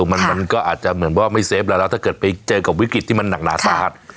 มันก็อาจจะเหมือนว่าไม่เฟฟแล้วแล้วถ้าเกิดไปเจอกับวิกฤตที่มันหนักหนาสาหัส